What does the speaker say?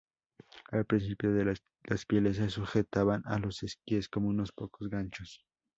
Al principio las pieles se sujetaban a los esquíes con unos pocos ganchos.